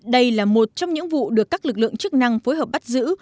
đây là một trong những vụ được các lực lượng chức năng phối hợp bắt giữ